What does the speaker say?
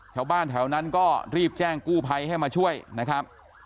ชาวบ้านแถวนั้นก็รีบแจ้งกู้ภัยให้มาช่วยนะครับ